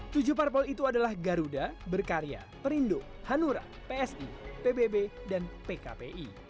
tujuh parpol itu adalah garuda berkarya perindo hanura psi pbb dan pkpi